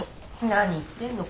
何言ってんの。